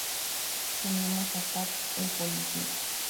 Teníamos a Pat el policía".